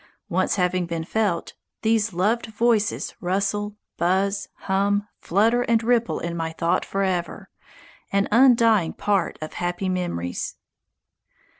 Once having been felt, these loved voices rustle, buzz, hum, flutter, and ripple in my thought forever, an undying part of happy memories.